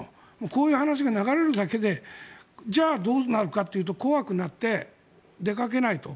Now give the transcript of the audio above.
こういう話が流れるだけでじゃあどうなるかというと怖くなって、出かけないと。